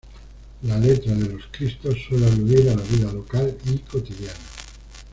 La letra de los Cristos suele aludir a la vida local y cotidiana.